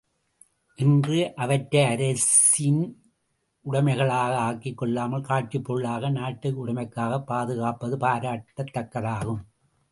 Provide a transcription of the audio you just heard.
இன்று அவற்றை அரசியின் உடைமைகளாக ஆக்கிக்கொள்ளாமல் காட்சிப் பொருளாக நாட்டு உடைமையாகப் பாதுகாப்பது பாராட்டத் தக்கதாகும்.